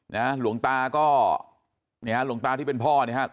หลวงตาก็เนี่ยฮะหลวงตาที่เป็นพ่อเนี่ยฮะ